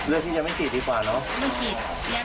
เลือกที่ยังไม่ฉีดดีกว่าเนอะ